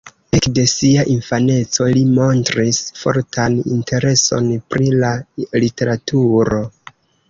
Ekde sia infaneco li montris fortan intereson pri la literaturo.